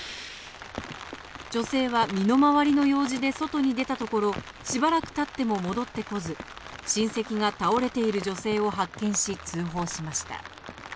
女性は身の回りの用事で外に出たところ、しばらく経っても戻ってこず、親戚が倒れている女性を発見し、通報しました。